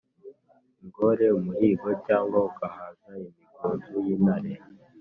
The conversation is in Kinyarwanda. ingore umuhīgo’ cyangwa ugahaza imigunzu y’ intare,